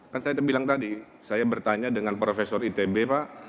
kan saya terbilang tadi saya bertanya dengan profesor itb pak